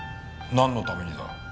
なんのためにだ？